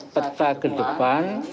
peta ke depan